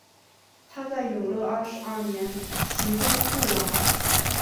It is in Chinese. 他在永乐二十二年袭封肃王。